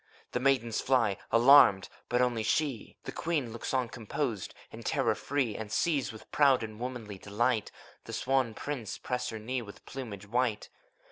The maidens fly, alarmed; but only she. The queen, looks on, composed and terror free And sees with proud and womanly delight The swan prince press her knee with plumage white.